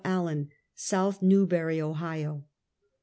Allen, South IsTewbury, Ohio.